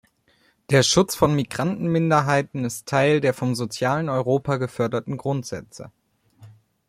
Der Schutz von Migrantenminderheiten ist Teil der vom sozialen Europa geförderten Grundsätze.